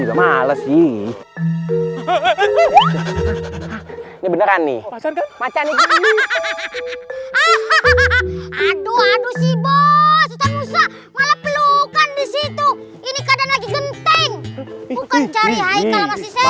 aduh aduh si bos malah pelukan di situ ini kadang lagi genteng bukan cari hai kalau masih